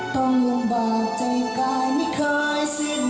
ต้องลงบากใจกายไม่เคยสิ้น